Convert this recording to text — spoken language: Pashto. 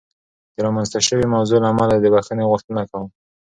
د رامنځته شوې موضوع له امله د بخښنې غوښتنه کوم.